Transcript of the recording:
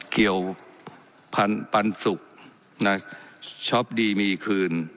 เกี่ยวพันธุ์ปันสุกนะช็อปดีมีคืน